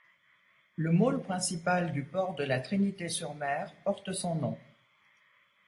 Le môle principal du port de La Trinité-sur-Mer porte son nom.